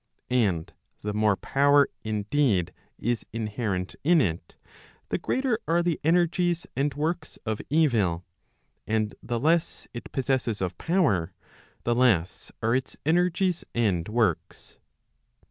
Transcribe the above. And the more power indeed is inherent in it, the greater are the energies and works of evil, and the less it possesses of power, the less are its energies and works.